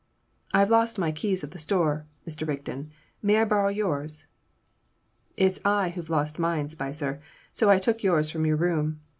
"I've lost my key of the store, Mr. Rigden; may I borrow yours?" "It's I who've lost mine, Spicer, so I took yours from your room.